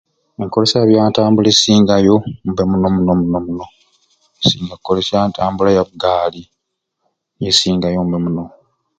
Enkolesya eya bya ntambula ensinga yo mbe omuno muno muno muno, nsinga kukolesya ntambula ya bugaali niyo esinga mbe omuno